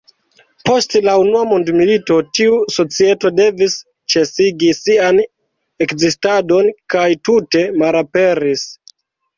Post la Unua Mondmilito tiu societo devis ĉesigi sian ekzistadon kaj tute malaperis.